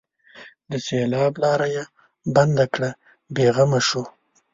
د سېلاب لاره یې بنده کړه؛ بې غمه شو.